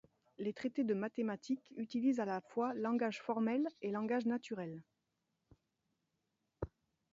Les traités de mathématiques utilisent à la fois langage formel et langage naturel.